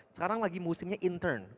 sekarang lagi musimnya intern